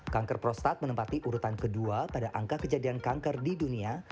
kanker prostat menempati urutan kedua pada angka kejadian kanker di dunia